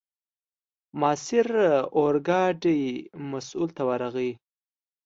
ماسیر اورګاډي مسوول ته ورغی.